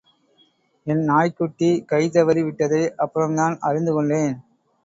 என் நாய்க்குட்டி கை தவறி விட்டதை அப்புறம்தான் அறிந்துகொண்டேன்.